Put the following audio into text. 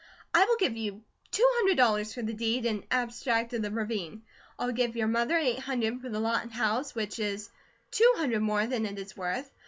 I will give you two hundred dollars for the deed and abstract of the ravine. I'll give your mother eight hundred for the lot and house, which is two hundred more than it is worth.